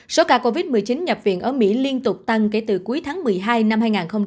số ca covid một mươi chín nhập viện ở mỹ liên tục tăng kể từ cuối tháng một mươi hai năm hai nghìn hai mươi